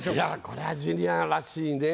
これはジュニアらしいね。